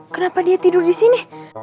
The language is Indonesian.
kenapa dia tidur disini